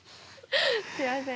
すみません。